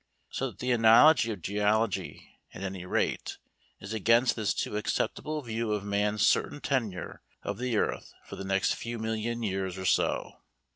So that the analogy of geology, at anyrate, is against this too acceptable view of man's certain tenure of the earth for the next few million years or so.